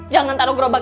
jangan taruh gerobak